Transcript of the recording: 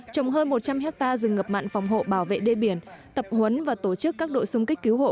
trồng hơn một trăm linh hectare rừng ngập mặn phòng hộ bảo vệ đê biển tập huấn và tổ chức các đội xung kích cứu hộ